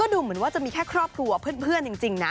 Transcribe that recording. ดูเหมือนว่าจะมีแค่ครอบครัวเพื่อนจริงนะ